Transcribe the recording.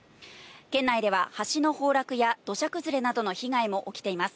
県内では橋の崩落や土砂崩れなどの被害も起きています。